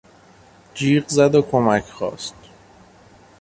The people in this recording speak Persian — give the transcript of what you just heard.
جیغ زد و کمک خواست.